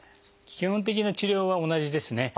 基本的な治療は同じですね。